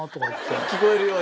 聞こえるように。